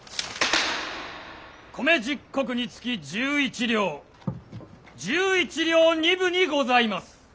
米十石につき十一両十一両二分にございます！